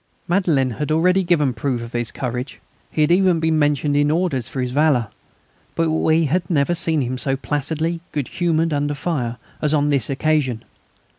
Madelin had already given proof of his courage, he had even been mentioned in orders for his valour, but we had never seen him so placidly good humoured under fire as on this occasion.